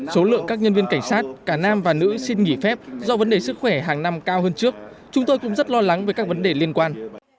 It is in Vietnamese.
số lượng các nhân viên cảnh sát cả nam và nữ xin nghỉ phép do vấn đề sức khỏe hàng năm cao hơn trước chúng tôi cũng rất lo lắng về các vấn đề liên quan